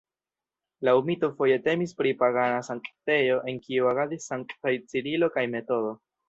Laŭ mito foje temis pri pagana sanktejo, en kiu agadis sanktaj Cirilo kaj Metodo.